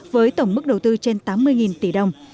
với tổng mức đầu tư trên tám mươi tỷ đồng